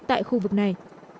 tại khu vực này